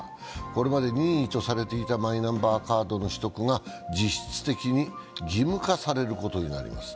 これまで任意とされていたマイナンバーカードの取得が実質的に義務化されることになります。